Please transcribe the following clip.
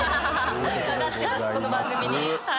かかってます、この番組に。